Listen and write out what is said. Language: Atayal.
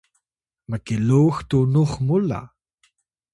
mkilux tunux muw la